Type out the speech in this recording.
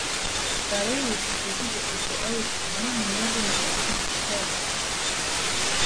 برای رسیدگی به ادعای شما نیاز به مدارک بیشتری داریم.